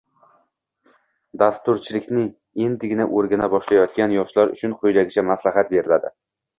Dasturchilikni endigina o’rgana boshlayotgan yoshlar uchun quyidagicha maslahat beriladi